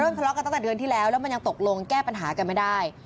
ทะเลาะกันตั้งแต่เดือนที่แล้วแล้วมันยังตกลงแก้ปัญหากันไม่ได้